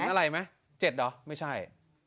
เห็นอะไรไหม๗หรอไม่ใช่